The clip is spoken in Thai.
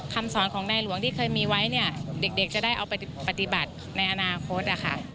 คำสอนของนายหลวงที่เคยมีไว้เนี่ยเด็กจะได้เอาไปปฏิบัติในอนาคต